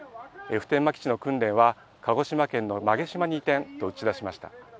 普天間基地の訓練は、鹿児島県の馬毛島に移転と打ち出しました。